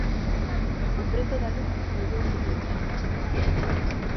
O prezo da luz volveu subir hoxe.